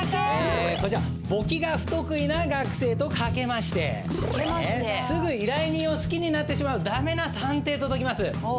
簿記が不得意な学生とかけましてすぐ依頼人を好きになってしまう駄目な探偵と解きます。